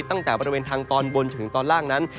ตั้งแต่บริเวณทางตอนบนจนถึงตอนล่างนั้น